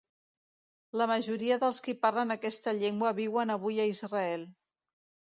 La majoria dels qui parlen aquesta llengua viuen avui a Israel.